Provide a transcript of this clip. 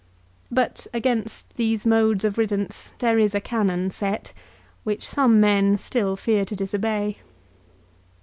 But against these modes of riddance there is a canon set, which some men still fear to disobey.